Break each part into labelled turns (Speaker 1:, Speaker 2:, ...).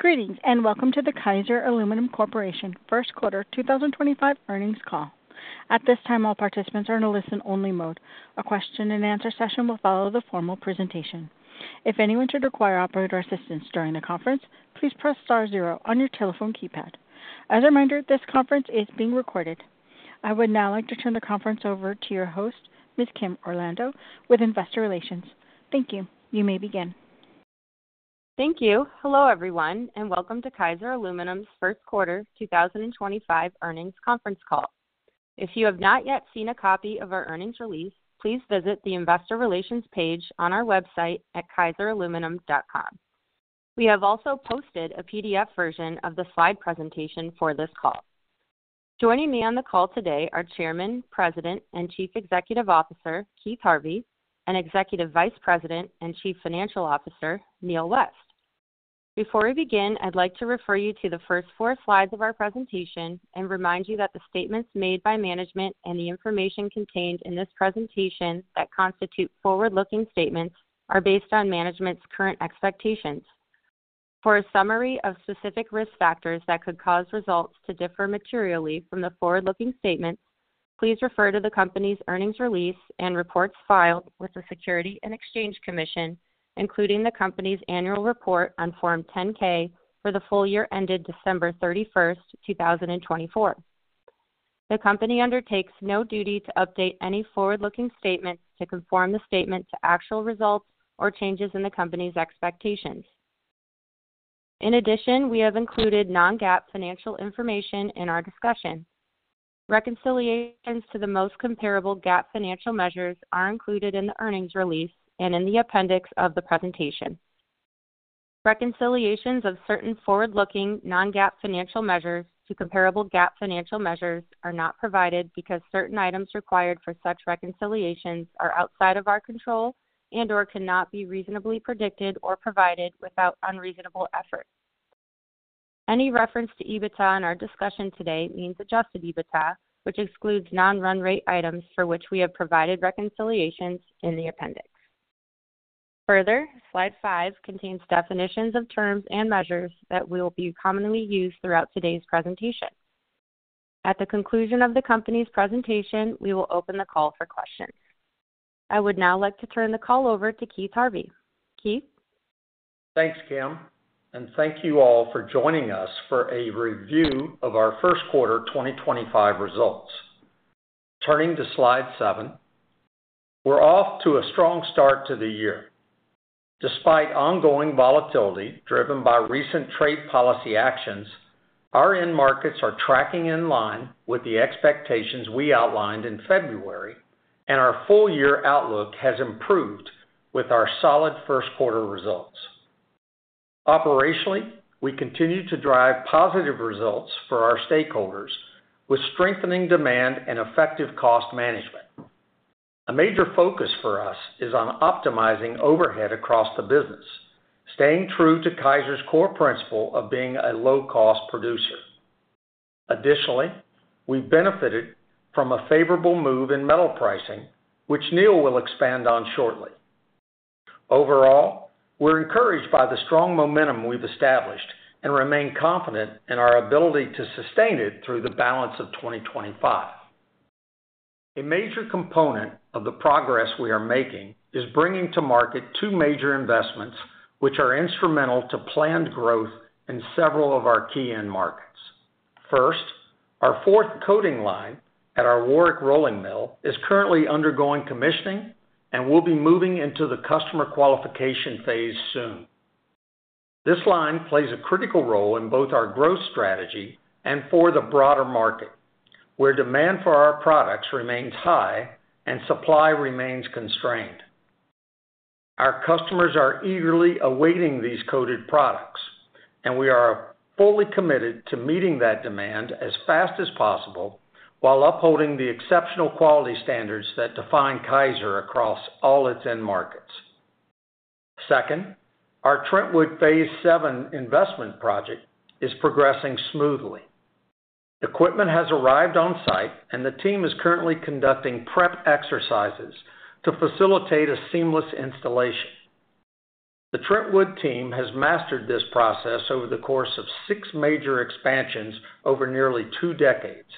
Speaker 1: Greetings and welcome to the Kaiser Aluminum Corporation First Quarter 2025 Earnings Call. At this time, all participants are in a listen-only mode. A question-and-answer session will follow the formal presentation. If anyone should require operator assistance during the conference, please press star zero on your telephone keypad. As a reminder, this conference is being recorded. I would now like to turn the conference over to your host, Ms. Kim Orlando, with Investor Relations. Thank you. You may begin.
Speaker 2: Thank you. Hello, everyone, and welcome to Kaiser Aluminum's First Quarter 2025 Earnings Conference Call. If you have not yet seen a copy of our earnings release, please visit the Investor Relations page on our website at kaiseraluminum.com. We have also posted a PDF version of the slide presentation for this call. Joining me on the call today are Chairman, President, and Chief Executive Officer Keith Harvey, and Executive Vice President and Chief Financial Officer Neal West. Before we begin, I'd like to refer you to the first four slides of our presentation and remind you that the statements made by management and the information contained in this presentation that constitute forward-looking statements are based on management's current expectations. For a summary of specific risk factors that could cause results to differ materially from the forward-looking statements, please refer to the company's earnings release and reports filed with the Securities and Exchange Commission, including the company's annual report on Form 10-K for the full year ended December 31, 2024. The company undertakes no duty to update any forward-looking statement to conform the statement to actual results or changes in the company's expectations. In addition, we have included non-GAAP financial information in our discussion. Reconciliations to the most comparable GAAP financial measures are included in the earnings release and in the appendix of the presentation. Reconciliations of certain forward-looking non-GAAP financial measures to comparable GAAP financial measures are not provided because certain items required for such reconciliations are outside of our control and/or cannot be reasonably predicted or provided without unreasonable effort. Any reference to EBITDA in our discussion today means adjusted EBITDA, which excludes non-run rate items for which we have provided reconciliations in the appendix. Further, slide five contains definitions of terms and measures that will be commonly used throughout today's presentation. At the conclusion of the company's presentation, we will open the call for questions. I would now like to turn the call over to Keith Harvey. Keith.
Speaker 3: Thanks, Kim, and thank you all for joining us for a review of our First Quarter 2025 results. Turning to slide seven, we're off to a strong start to the year. Despite ongoing volatility driven by recent trade policy actions, our end markets are tracking in line with the expectations we outlined in February, and our full-year outlook has improved with our solid first quarter results. Operationally, we continue to drive positive results for our stakeholders with strengthening demand and effective cost management. A major focus for us is on optimizing overhead across the business, staying true to Kaiser's core principle of being a low-cost producer. Additionally, we've benefited from a favorable move in metal pricing, which Neal will expand on shortly. Overall, we're encouraged by the strong momentum we've established and remain confident in our ability to sustain it through the balance of 2025. A major component of the progress we are making is bringing to market two major investments which are instrumental to planned growth in several of our key end markets. First, our fourth coating line at our Warwick Rolling Mill is currently undergoing commissioning and will be moving into the customer qualification phase soon. This line plays a critical role in both our growth strategy and for the broader market, where demand for our products remains high and supply remains constrained. Our customers are eagerly awaiting these coated products, and we are fully committed to meeting that demand as fast as possible while upholding the exceptional quality standards that define Kaiser across all its end markets. Second, our Trentwood Phase VII investment project is progressing smoothly. Equipment has arrived on site, and the team is currently conducting prep exercises to facilitate a seamless installation. The Trentwood team has mastered this process over the course of six major expansions over nearly two decades,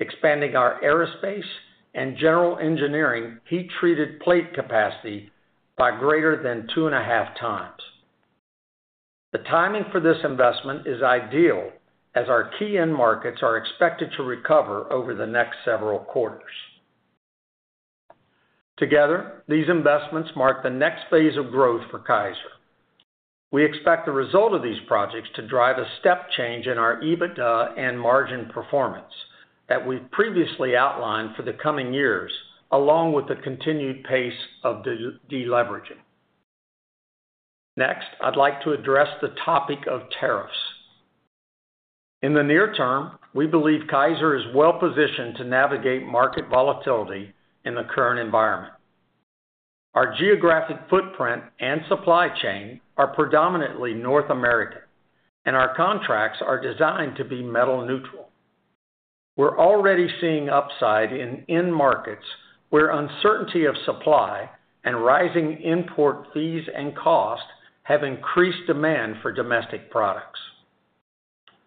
Speaker 3: expanding our Aerospace and General Engineering heat-treated plate capacity by greater than two and a half times. The timing for this investment is ideal as our key end markets are expected to recover over the next several quarters. Together, these investments mark the next phase of growth for Kaiser. We expect the result of these projects to drive a step change in our EBITDA and margin performance that we've previously outlined for the coming years, along with the continued pace of deleveraging. Next, I'd like to address the topic of tariffs. In the near term, we believe Kaiser is well-positioned to navigate market volatility in the current environment. Our geographic footprint and supply chain are predominantly North American, and our contracts are designed to be metal-neutral. We're already seeing upside in end markets where uncertainty of supply and rising import fees and cost have increased demand for domestic products.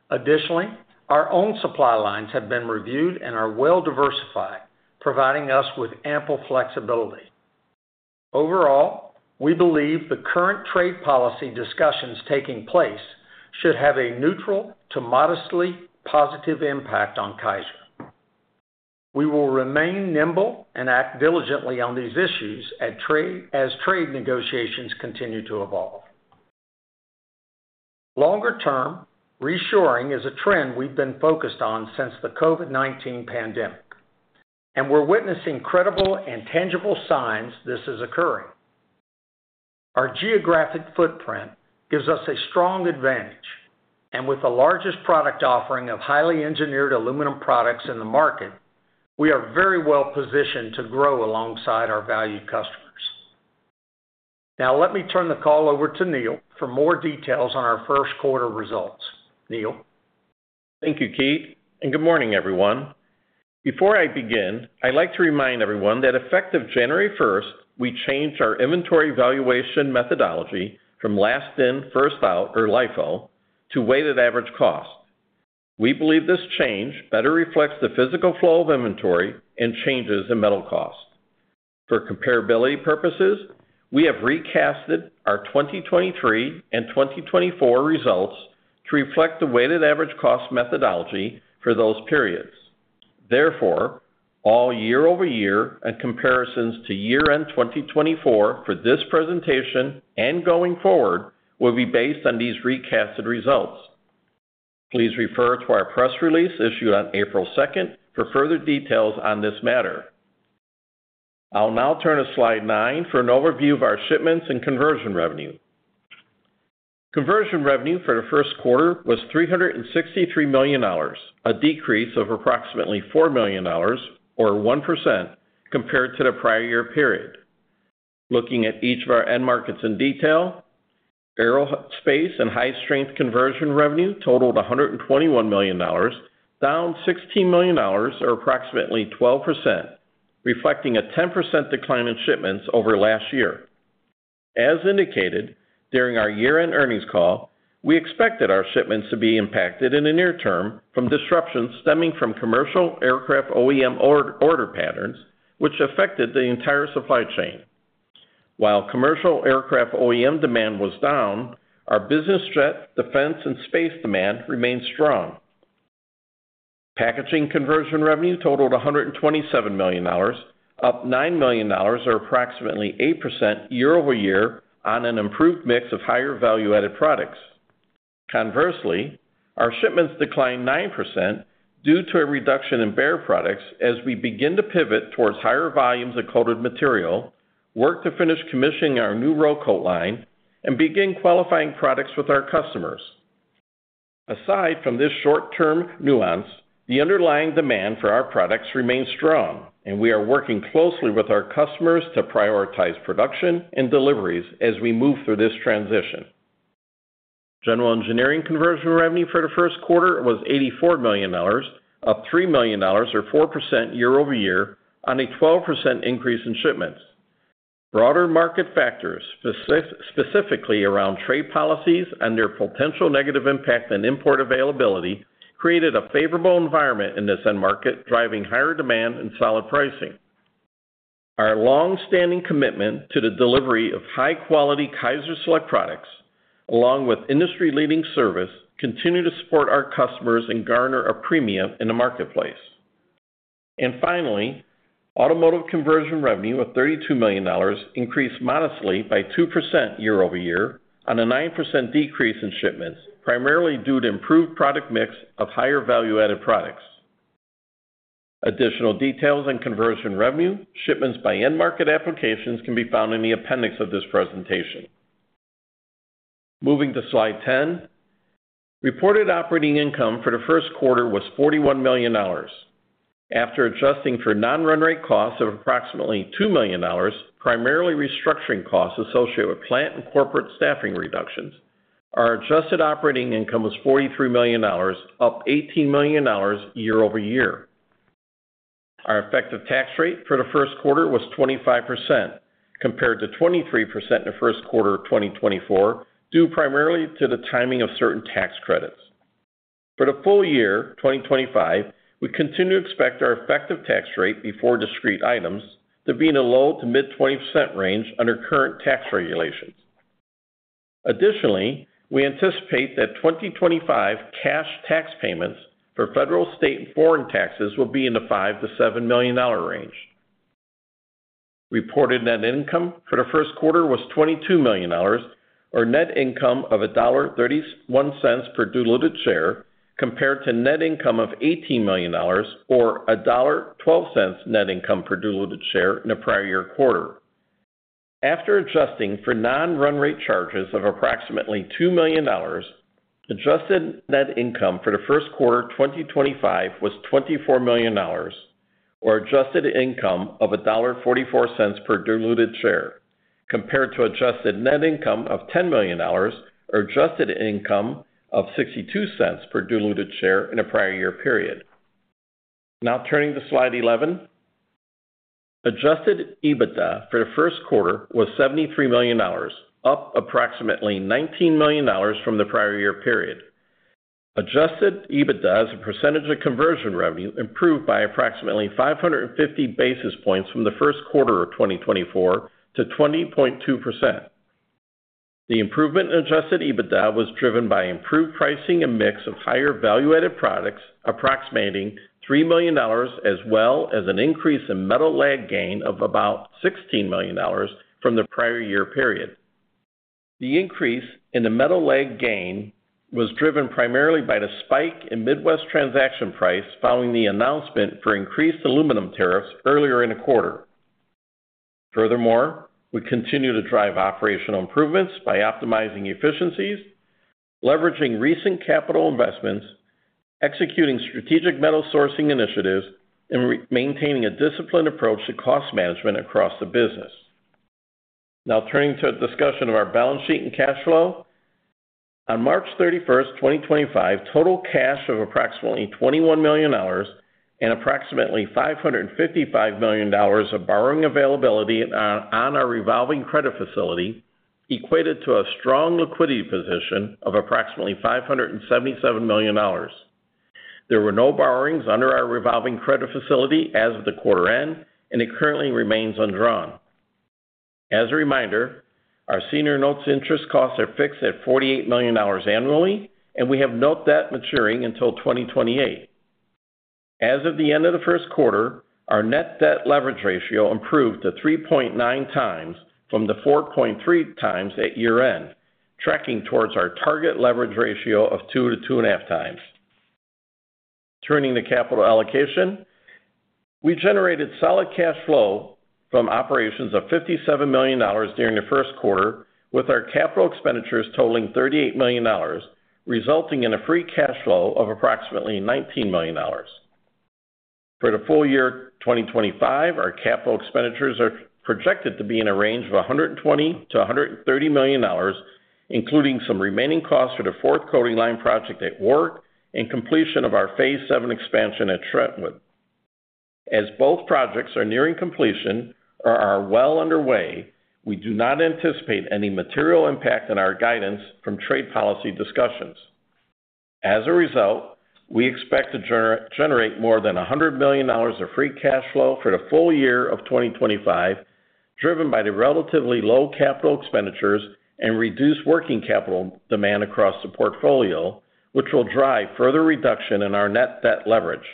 Speaker 3: Additionally, our own supply lines have been reviewed and are well-diversified, providing us with ample flexibility. Overall, we believe the current trade policy discussions taking place should have a neutral to modestly positive impact on Kaiser. We will remain nimble and act diligently on these issues as trade negotiations continue to evolve. Longer term, reshoring is a trend we've been focused on since the COVID-19 pandemic, and we're witnessing credible and tangible signs this is occurring. Our geographic footprint gives us a strong advantage, and with the largest product offering of highly engineered aluminum products in the market, we are very well-positioned to grow alongside our valued customers. Now, let me turn the call over to Neal for more details on our first quarter results. Neal.
Speaker 4: Thank you, Keith, and good morning, everyone. Before I begin, I'd like to remind everyone that effective January 1, we changed our inventory valuation methodology from last in, first out, or LIFO, to weighted average cost. We believe this change better reflects the physical flow of inventory and changes in metal cost. For comparability purposes, we have recasted our 2023 and 2024 results to reflect the weighted average cost methodology for those periods. Therefore, all year-over-year comparisons to year-end 2024 for this presentation and going forward will be based on these recasted results. Please refer to our press release issued on April 2 for further details on this matter. I'll now turn to slide nine for an overview of our Shipments and Conversion revenue. Conversion revenue for the first quarter was $363 million, a decrease of approximately $4 million, or 1%, compared to the prior year period. Looking at each of our end markets in detail, Aerospace and High Strength conversion revenue totaled $121 million, down $16 million, or approximately 12%, reflecting a 10% decline in shipments over last year. As indicated during our year-end earnings call, we expected our shipments to be impacted in the near term from disruptions stemming from commercial aircraft OEM order patterns, which affected the entire supply chain. While commercial aircraft OEM demand was down, our business jet, defense, and space demand remained strong. Packaging conversion revenue totaled $127 million, up $9 million, or approximately 8% year-over-year on an improved mix of higher value-added products. Conversely, our shipments declined 9% due to a reduction in bare products as we begin to pivot towards higher volumes of coated material, work to finish commissioning our new roll coat line, and begin qualifying products with our customers. Aside from this short-term nuance, the underlying demand for our products remains strong, and we are working closely with our customers to prioritize production and deliveries as we move through this transition. General Engineering conversion revenue for the first quarter was $84 million, up $3 million, or 4% year-over-year, on a 12% increase in shipments. Broader market factors, specifically around trade policies and their potential negative impact on import availability, created a favorable environment in this end market, driving higher demand and solid pricing. Our long-standing commitment to the delivery of high-quality Kaiser Select products, along with industry-leading service, continues to support our customers and garner a premium in the marketplace. Finally, Automotive conversion revenue of $32 million increased modestly by 2% year-over-year, on a 9% decrease in shipments, primarily due to improved product mix of higher value-added products. Additional details on conversion revenue, shipments by end market applications can be found in the appendix of this presentation. Moving to slide ten, reported operating income for the first quarter was $41 million. After adjusting for non-run rate costs of approximately $2 million, primarily restructuring costs associated with plant and corporate staffing reductions, our adjusted operating income was $43 million, up $18 million year-over-year. Our effective tax rate for the first quarter was 25%, compared to 23% in the first quarter of 2024, due primarily to the timing of certain tax credits. For the full year 2025, we continue to expect our effective tax rate before discrete items to be in a low to mid-20% range under current tax regulations. Additionally, we anticipate that 2025 cash tax payments for federal, state, and foreign taxes will be in the $5-$7 million range. Reported net income for the first quarter was $22 million, or net income of $1.31 per diluted share, compared to net income of $18 million, or $1.12 net income per diluted share in the prior year quarter. After adjusting for non-run rate charges of approximately $2 million, adjusted net income for the first quarter 2025 was $24 million, or adjusted income of $1.44 per diluted share, compared to adjusted net income of $10 million, or adjusted income of $0.62 per diluted share in a prior year period. Now turning to slide 11, adjusted EBITDA for the first quarter was $73 million, up approximately $19 million from the prior year period. Adjusted EBITDA as a percentage of conversion revenue improved by approximately 550 basis points from the first quarter of 2024 to 20.2%. The improvement in adjusted EBITDA was driven by improved pricing and mix of higher value-added products, approximating $3 million, as well as an increase in metal lag gain of about $16 million from the prior year period. The increase in the metal lag gain was driven primarily by the spike in Midwest Transaction Price following the announcement for increased aluminum tariffs earlier in the quarter. Furthermore, we continue to drive operational improvements by optimizing efficiencies, leveraging recent capital investments, executing strategic metal sourcing initiatives, and maintaining a disciplined approach to cost management across the business. Now turning to a discussion of our balance sheet and cash flow, on March 31, 2025, total cash of approximately $21 million and approximately $555 million of borrowing availability on our revolving credit facility equated to a strong liquidity position of approximately $577 million. There were no borrowings under our revolving credit facility as of the quarter end, and it currently remains undrawn. As a reminder, our senior notes interest costs are fixed at $48 million annually, and we have no debt maturing until 2028. As of the end of the first quarter, our net debt leverage ratio improved to 3.9x from the 4.3x at year-end, tracking towards our target leverage ratio of 2x-2.5x. Turning to capital allocation, we generated solid cash flow from operations of $57 million during the first quarter, with our capital expenditures totaling $38 million, resulting in a free cash flow of approximately $19 million. For the full year 2025, our capital expenditures are projected to be in a range of $120-$130 million, including some remaining costs for the fourth coating line project at Warwick and completion of our Phase VII expansion at Trentwood. As both projects are nearing completion or are well underway, we do not anticipate any material impact on our guidance from trade policy discussions. As a result, we expect to generate more than $100 million of free cash flow for the full year of 2025, driven by the relatively low capital expenditures and reduced working capital demand across the portfolio, which will drive further reduction in our net debt leverage.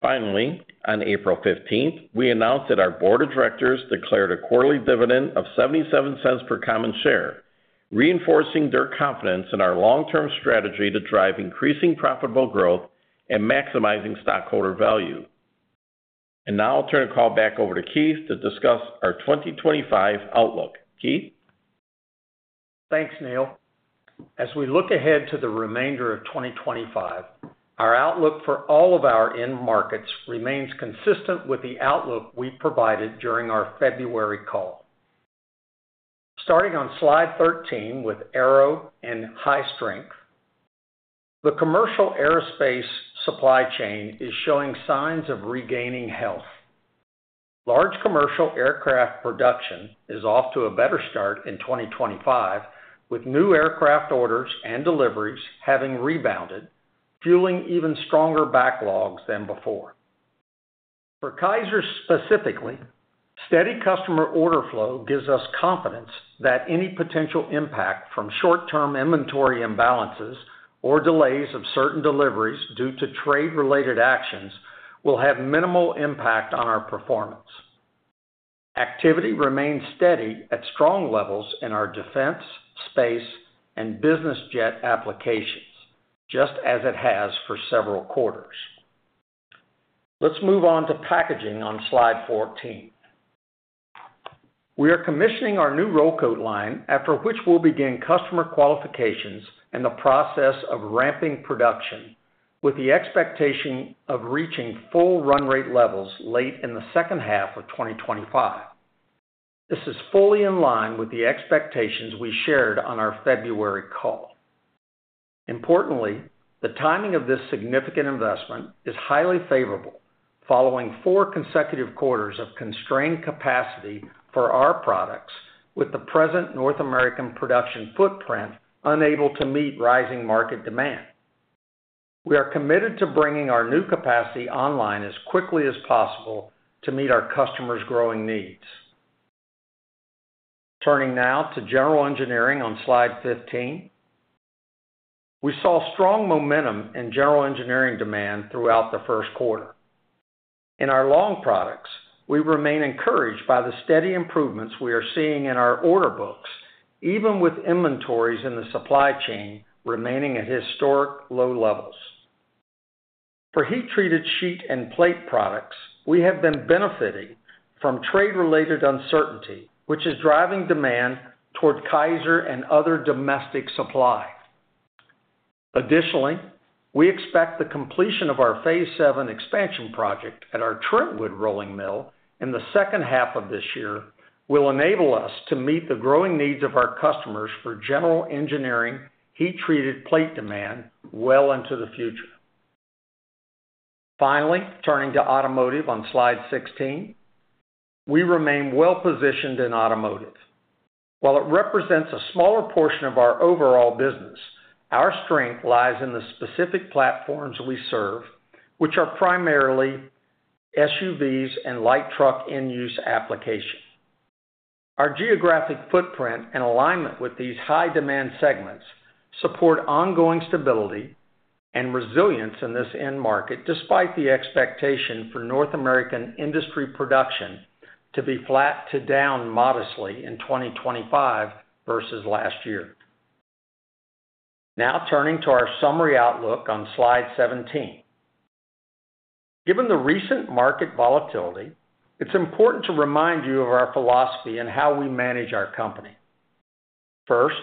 Speaker 4: Finally, on April 15th, we announced that our board of directors declared a quarterly dividend of $0.77 per common share, reinforcing their confidence in our long-term strategy to drive increasing profitable growth and maximizing stockholder value. I will turn the call back over to Keith to discuss our 2025 outlook. Keith.
Speaker 3: Thanks, Neal. As we look ahead to the remainder of 2025, our outlook for all of our end markets remains consistent with the outlook we provided during our February call. Starting on slide 13 with Aero and High Strength, the commercial aerospace supply chain is showing signs of regaining health. Large commercial aircraft production is off to a better start in 2025, with new aircraft orders and deliveries having rebounded, fueling even stronger backlogs than before. For Kaiser specifically, steady customer order flow gives us confidence that any potential impact from short-term inventory imbalances or delays of certain deliveries due to trade-related actions will have minimal impact on our performance. Activity remains steady at strong levels in our defense, space, and business jet applications, just as it has for several quarters. Let's move on to Packaging on slide 14. We are commissioning our new roll coat line, after which we'll begin customer qualifications and the process of ramping production, with the expectation of reaching full run rate levels late in the second half of 2025. This is fully in line with the expectations we shared on our February call. Importantly, the timing of this significant investment is highly favorable, following four consecutive quarters of constrained capacity for our products, with the present North American production footprint unable to meet rising market demand. We are committed to bringing our new capacity online as quickly as possible to meet our customers' growing needs. Turning now to General Engineering on slide 15, we saw strong momentum in General Engineering demand throughout the first quarter. In our long products, we remain encouraged by the steady improvements we are seeing in our order books, even with inventories in the supply chain remaining at historic low levels. For heat-treated sheet and plate products, we have been benefiting from trade-related uncertainty, which is driving demand toward Kaiser and other domestic supply. Additionally, we expect the completion of our Phase VII expansion project at our Trentwood Rolling Mill in the second half of this year will enable us to meet the growing needs of our customers for General Engineering heat-treated plate demand well into the future. Finally, turning to Automotive on slide 16, we remain well positioned in Automotive. While it represents a smaller portion of our overall business, our strength lies in the specific platforms we serve, which are primarily SUVs and light truck end-use applications. Our geographic footprint and alignment with these high-demand segments support ongoing stability and resilience in this end market, despite the expectation for North American industry production to be flat to down modestly in 2025 versus last year. Now turning to our Summary Outlook on slide 17, given the recent market volatility, it's important to remind you of our philosophy and how we manage our company. First,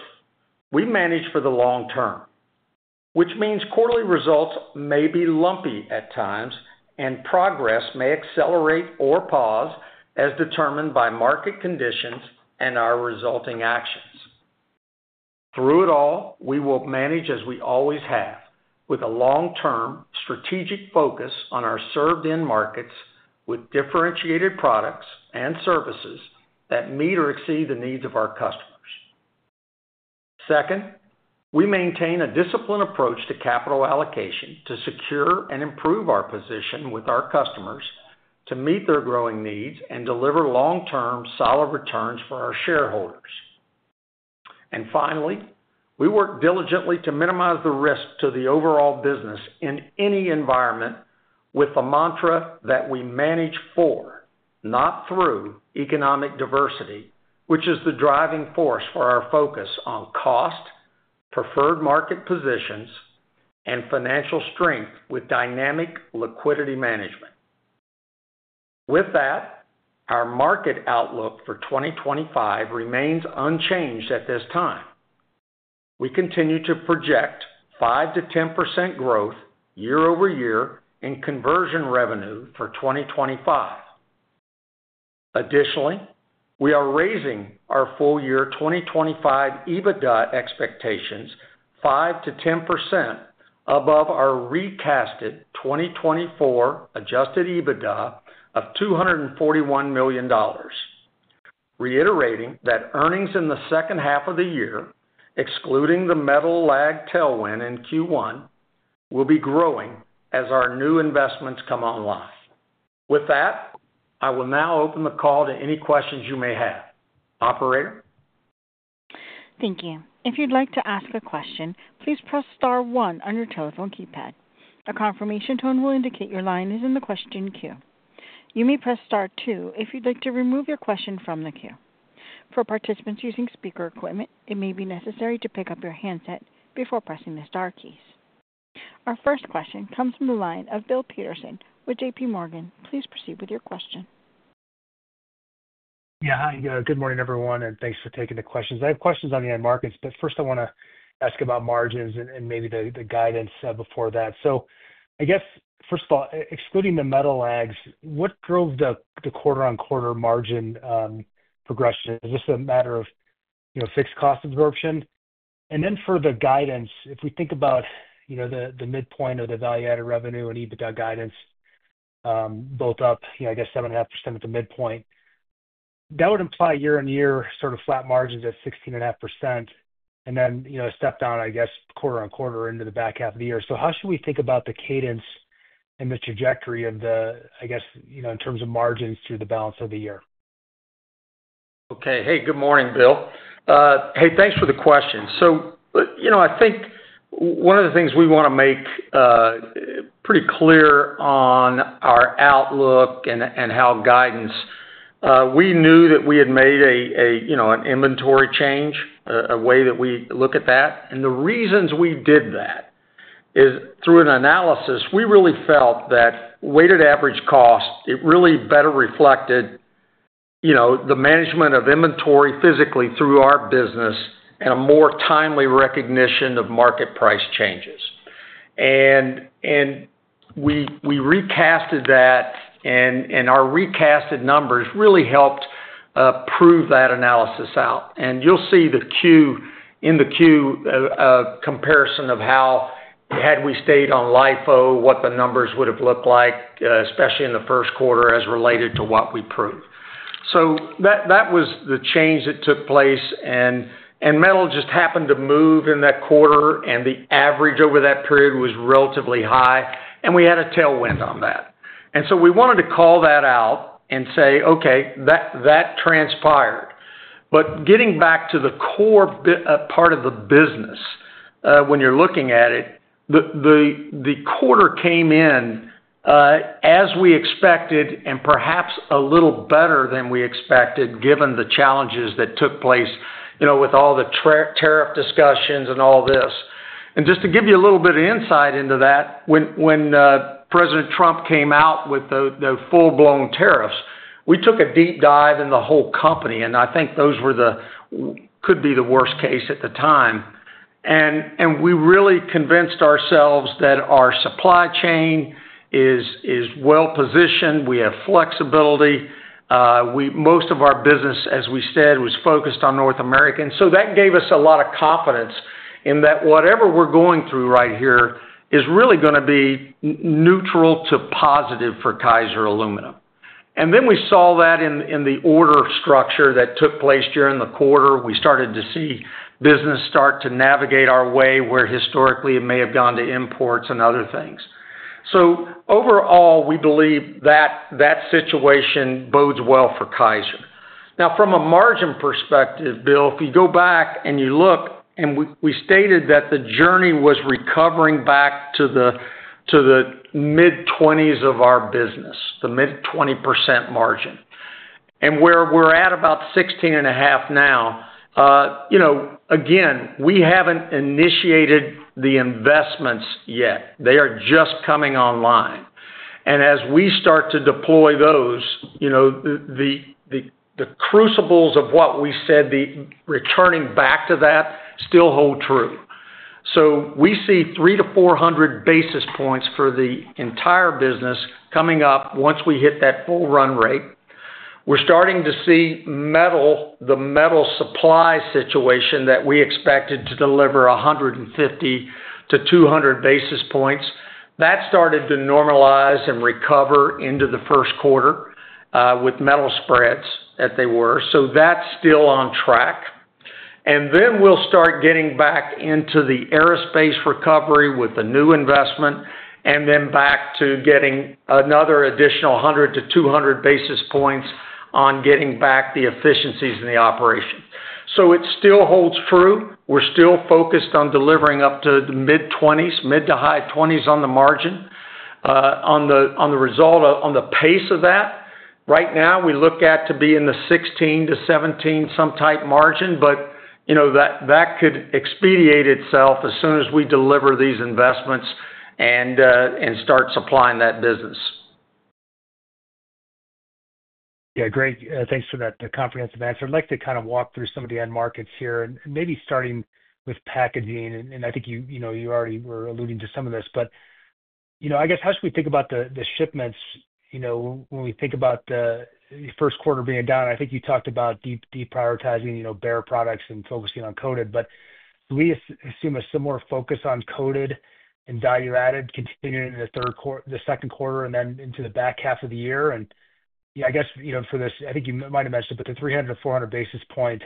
Speaker 3: we manage for the long term, which means quarterly results may be lumpy at times, and progress may accelerate or pause as determined by market conditions and our resulting actions. Through it all, we will manage as we always have, with a long-term strategic focus on our served-in markets with differentiated products and services that meet or exceed the needs of our customers. Second, we maintain a disciplined approach to capital allocation to secure and improve our position with our customers to meet their growing needs and deliver long-term solid returns for our shareholders. Finally, we work diligently to minimize the risk to the overall business in any environment with the mantra that we manage for, not through, economic diversity, which is the driving force for our focus on cost, preferred market positions, and financial strength with dynamic liquidity management. With that, our market outlook for 2025 remains unchanged at this time. We continue to project 5%-10% growth year-over-year in conversion revenue for 2025. Additionally, we are raising our full year 2025 EBITDA expectations 5%-10% above our recasted 2024 adjusted EBITDA of $241 million, reiterating that earnings in the second half of the year, excluding the metal lag tailwind in Q1, will be growing as our new investments come online. With that, I will now open the call to any questions you may have. Operator.
Speaker 1: Thank you. If you'd like to ask a question, please press star one on your telephone keypad. A confirmation tone will indicate your line is in the question queue. You may press star two if you'd like to remove your question from the queue. For participants using speaker equipment, it may be necessary to pick up your handset before pressing the star keys. Our first question comes from the line of Bill Peterson with JPMorgan. Please proceed with your question.
Speaker 5: Yeah. Hi. Good morning, everyone, and thanks for taking the questions. I have questions on the end markets, but first I want to ask about margins and maybe the guidance before that. I guess, first of all, excluding the metal lags, what drove the quarter-on-quarter margin progression? Is this a matter of fixed cost absorption? For the guidance, if we think about the midpoint of the value-added revenue and EBITDA guidance, both up, I guess, 7.5% at the midpoint, that would imply year-on-year sort of flat margins at 16.5%, and then a step down, I guess, quarter-on-quarter into the back half of the year. How should we think about the cadence and the trajectory of the, I guess, in terms of margins through the balance of the year?
Speaker 3: Okay. Hey, good morning, Bill. Hey, thanks for the question. I think one of the things we want to make pretty clear on our outlook and how guidance, we knew that we had made an inventory change, a way that we look at that. The reasons we did that is through an analysis, we really felt that weighted average cost, it really better reflected the management of inventory physically through our business and a more timely recognition of market price changes. We recasted that, and our recasted numbers really helped prove that analysis out. You'll see the queue in the queue comparison of how had we stayed on LIFO, what the numbers would have looked like, especially in the first quarter as related to what we proved. That was the change that took place, and metal just happened to move in that quarter, and the average over that period was relatively high, and we had a tailwind on that. We wanted to call that out and say, "Okay, that transpired." Getting back to the core part of the business, when you're looking at it, the quarter came in as we expected and perhaps a little better than we expected given the challenges that took place with all the tariff discussions and all this. Just to give you a little bit of insight into that, when President Trump came out with the full-blown tariffs, we took a deep dive in the whole company, and I think those could be the worst case at the time. We really convinced ourselves that our supply chain is well positioned. We have flexibility. Most of our business, as we said, was focused on North America. That gave us a lot of confidence in that whatever we're going through right here is really going to be neutral to positive for Kaiser Aluminum. We saw that in the order structure that took place during the quarter. We started to see business start to navigate our way where historically it may have gone to imports and other things. Overall, we believe that that situation bodes well for Kaiser. Now, from a margin perspective, Bill, if you go back and you look, and we stated that the journey was recovering back to the mid-20s of our business, the mid-20% margin, and where we're at about 16.5% now, again, we haven't initiated the investments yet. They are just coming online. As we start to deploy those, the crucibles of what we said, the returning back to that, still hold true. We see 300-400 basis points for the entire business coming up once we hit that full run rate. We are starting to see the metal supply situation that we expected to deliver 150-200 basis points. That started to normalize and recover into the first quarter with metal spreads that they were. That is still on track. We will start getting back into the aerospace recovery with a new investment, and then back to getting another additional 100-200 basis points on getting back the efficiencies in the operation. It still holds true. We are still focused on delivering up to the mid-20s, mid to high 20s on the margin. On the result, on the pace of that, right now we look at to be in the 16%-17% type margin, but that could expediate itself as soon as we deliver these investments and start supplying that business.
Speaker 5: Yeah. Great. Thanks for that comprehensive answer. I'd like to kind of walk through some of the end markets here, and maybe starting with packaging. I think you already were alluding to some of this, but I guess, how should we think about the shipments when we think about the first quarter being down? I think you talked about deprioritizing bare products and focusing on coated, but do we assume a similar focus on coated and value-added continuing in the second quarter and then into the back half of the year? I guess for this, I think you might have mentioned, but the 300-400 basis point,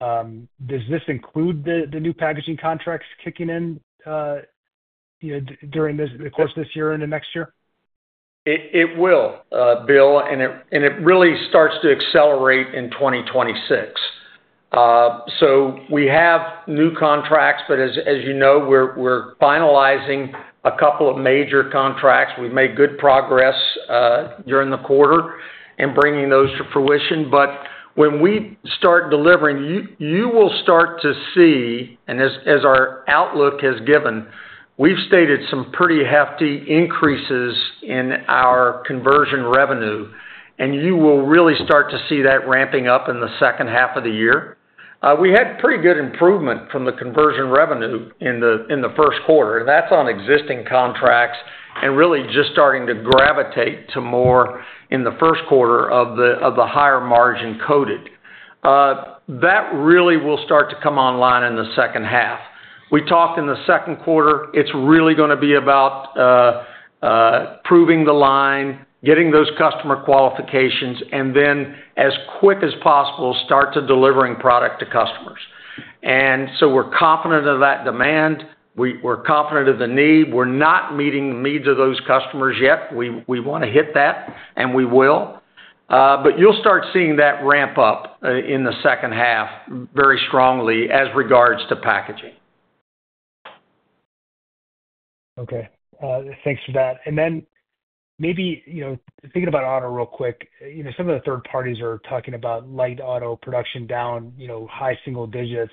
Speaker 5: does this include the new packaging contracts kicking in during the course of this year into next year?
Speaker 3: It will, Bill, and it really starts to accelerate in 2026. We have new contracts, but as you know, we're finalizing a couple of major contracts. We've made good progress during the quarter in bringing those to fruition. When we start delivering, you will start to see, and as our outlook has given, we've stated some pretty hefty increases in our conversion revenue, and you will really start to see that ramping up in the second half of the year. We had pretty good improvement from the conversion revenue in the first quarter, and that's on existing contracts and really just starting to gravitate to more in the first quarter of the higher margin coated. That really will start to come online in the second half. We talked in the second quarter, it's really going to be about proving the line, getting those customer qualifications, and then as quick as possible, start to delivering product to customers. We are confident of that demand. We are confident of the need. We are not meeting the needs of those customers yet. We want to hit that, and we will. You will start seeing that ramp up in the second half very strongly as regards to packaging.
Speaker 5: Okay. Thanks for that. Maybe thinking about auto real quick, some of the third parties are talking about light auto production down high single digits.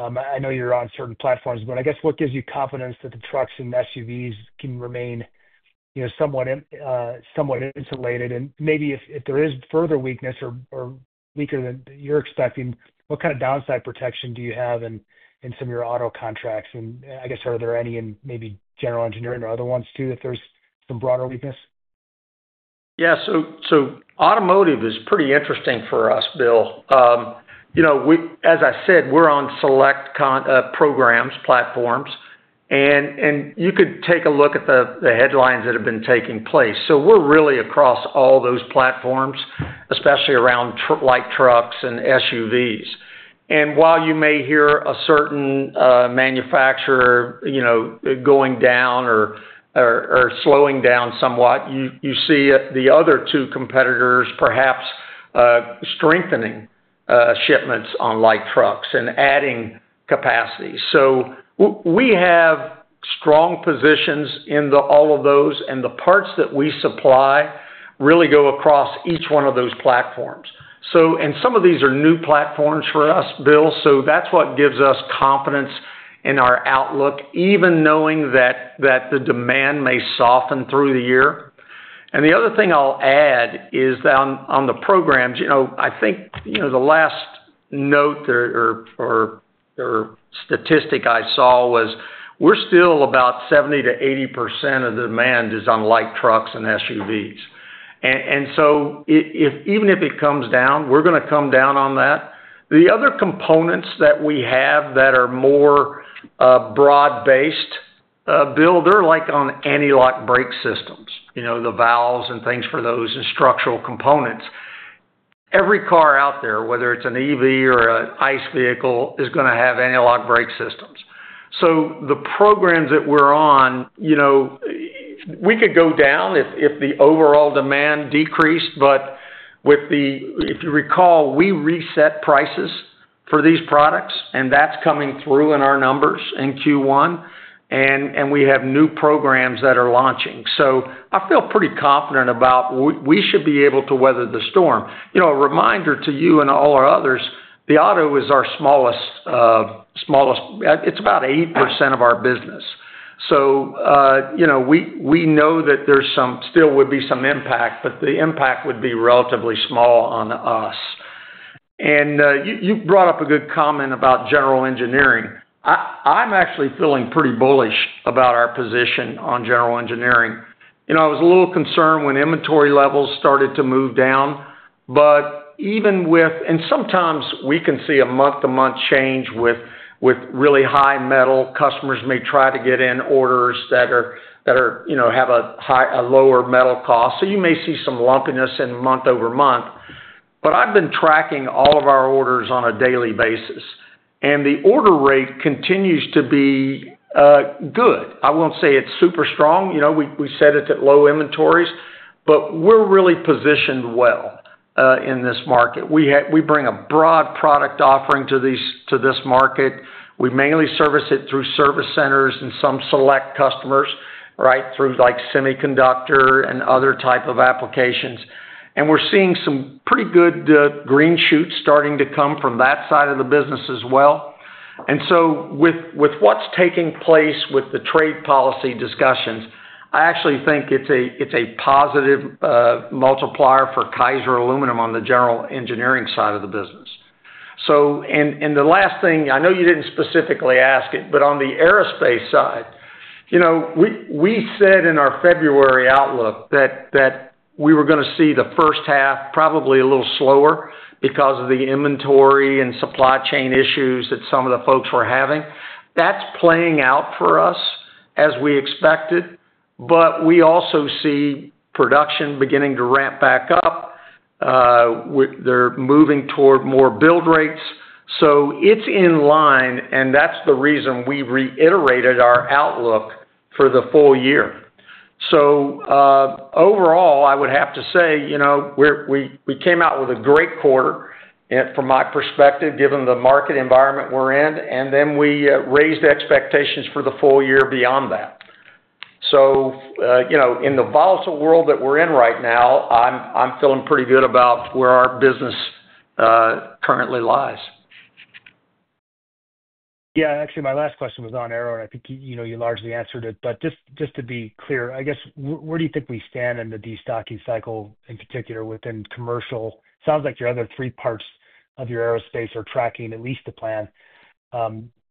Speaker 5: I know you're on certain platforms, but I guess what gives you confidence that the trucks and SUVs can remain somewhat insulated? Maybe if there is further weakness or weaker than you're expecting, what kind of downside protection do you have in some of your auto contracts? I guess, are there any in maybe General Engineering or other ones too if there's some broader weakness?
Speaker 3: Yeah. Automotive is pretty interesting for us, Bill. As I said, we're on select programs, platforms, and you could take a look at the headlines that have been taking place. We're really across all those platforms, especially around light trucks and SUVs. While you may hear a certain manufacturer going down or slowing down somewhat, you see the other two competitors perhaps strengthening shipments on light trucks and adding capacity. We have strong positions in all of those, and the parts that we supply really go across each one of those platforms. Some of these are new platforms for us, Bill, so that's what gives us confidence in our outlook, even knowing that the demand may soften through the year. The other thing I'll add is that on the programs, I think the last note or statistic I saw was we're still about 70%-80% of the demand is on light trucks and SUVs. Even if it comes down, we're going to come down on that. The other components that we have that are more broad-based, Bill, they're like on anti-lock brake systems, the valves and things for those and structural components. Every car out there, whether it's an EV or an ICE vehicle, is going to have anti-lock brake systems. The programs that we're on, we could go down if the overall demand decreased, but if you recall, we reset prices for these products, and that's coming through in our numbers in Q1, and we have new programs that are launching. I feel pretty confident about we should be able to weather the storm. A reminder to you and all our others, the auto is our smallest, it's about 8% of our business. We know that there still would be some impact, but the impact would be relatively small on us. You brought up a good comment about General Engineering. I'm actually feeling pretty bullish about our position on General Engineering. I was a little concerned when inventory levels started to move down, but even with—and sometimes we can see a month-to-month change with really high metal. Customers may try to get in orders that have a lower metal cost. You may see some lumpiness in month over month, but I've been tracking all of our orders on a daily basis, and the order rate continues to be good. I won't say it's super strong. We set it at low inventories, but we're really positioned well in this market. We bring a broad product offering to this market. We mainly service it through service centers and some select customers, right, through semiconductor and other type of applications. We're seeing some pretty good green shoots starting to come from that side of the business as well. With what's taking place with the trade policy discussions, I actually think it's a positive multiplier for Kaiser Aluminum on the General Engineering side of the business. The last thing, I know you didn't specifically ask it, but on the aerospace side, we said in our February outlook that we were going to see the first half probably a little slower because of the inventory and supply chain issues that some of the folks were having. That's playing out for us as we expected, but we also see production beginning to ramp back up. They're moving toward more build rates. It is in line, and that's the reason we reiterated our outlook for the full year. Overall, I would have to say we came out with a great quarter from my perspective given the market environment we're in, and then we raised expectations for the full year beyond that. In the volatile world that we're in right now, I'm feeling pretty good about where our business currently lies.
Speaker 5: Yeah. Actually, my last question was on air, and I think you largely answered it, but just to be clear, I guess, where do you think we stand in the destocking cycle in particular within commercial? It sounds like your other three parts of your aerospace are tracking at least the plan.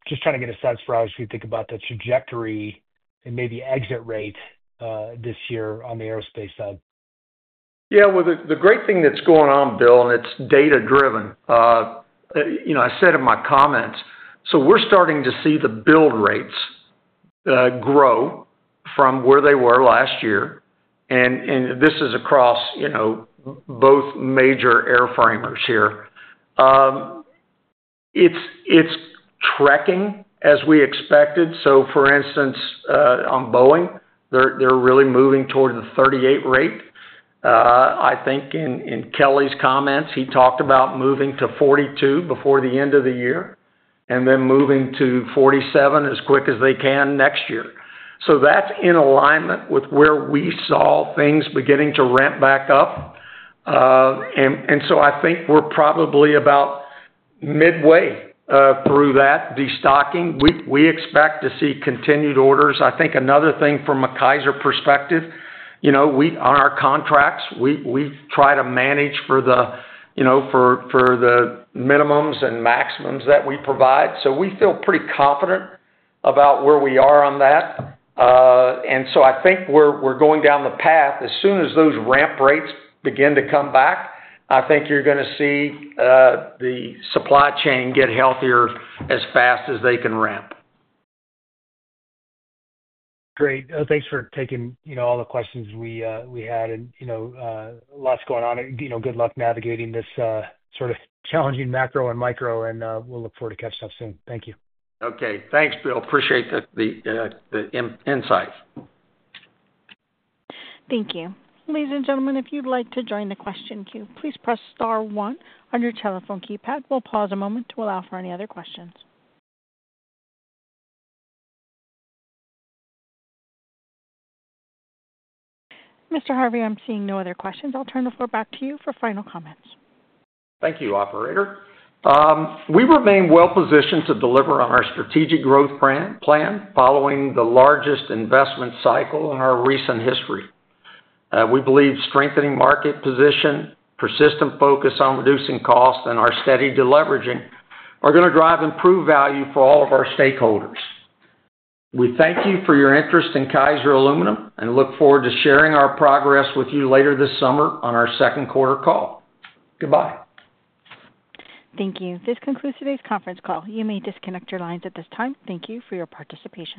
Speaker 5: Just trying to get a sense for how you think about the trajectory and maybe exit rate this year on the aerospace side.
Speaker 3: Yeah. The great thing that's going on, Bill, and it's data-driven. I said in my comments, we're starting to see the build rates grow from where they were last year, and this is across both major airframers here. It's tracking as we expected. For instance, on Boeing, they're really moving toward the 38 rate. I think in Kelly's comments, he talked about moving to 42 before the end of the year and then moving to 47 as quick as they can next year. That's in alignment with where we saw things beginning to ramp back up. I think we're probably about midway through that destocking. We expect to see continued orders. I think another thing from a Kaiser perspective, on our contracts, we try to manage for the minimums and maximums that we provide. We feel pretty confident about where we are on that. I think we're going down the path as soon as those ramp rates begin to come back. I think you're going to see the supply chain get healthier as fast as they can ramp.
Speaker 5: Great. Thanks for taking all the questions we had, and lots going on. Good luck navigating this sort of challenging macro and micro, and we'll look forward to catching up soon. Thank you.
Speaker 3: Okay. Thanks, Bill. Appreciate the insight.
Speaker 1: Thank you. Ladies and gentlemen, if you'd like to join the question queue, please press star one on your telephone keypad. We'll pause a moment to allow for any other questions. Mr. Harvey, I'm seeing no other questions. I'll turn the floor back to you for final comments.
Speaker 3: Thank you, Operator. We remain well-positioned to deliver on our strategic growth plan following the largest investment cycle in our recent history. We believe strengthening market position, persistent focus on reducing cost, and our steady deleveraging are going to drive improved value for all of our stakeholders. We thank you for your interest in Kaiser Aluminum and look forward to sharing our progress with you later this summer on our second quarter call. Goodbye.
Speaker 1: Thank you. This concludes today's conference call. You may disconnect your lines at this time. Thank you for your participation.